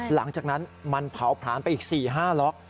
หลังจากนั้นมันเผาผลาญไปอีก๔๕ล็อก